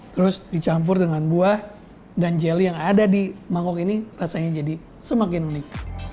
terus dicampur dengan buah dan jelly yang ada di mangkok ini rasanya jadi semakin unik